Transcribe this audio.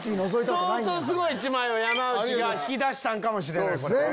相当すごい一枚を山内が引き出したんかもしれない。